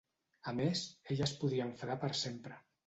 A més, ell es podria enfadar per sempre.